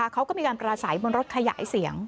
เขาก็มีการปราศัยบนรถขยายเสียง